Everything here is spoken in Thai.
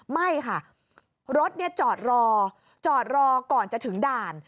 ไม่ค่ะรถจอดรอจอดรอก่อนจะถึงด่าน